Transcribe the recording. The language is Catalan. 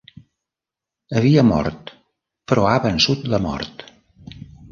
Havia mort, però ha vençut la mort.